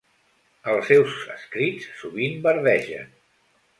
Els seus escrits sovint verdegen.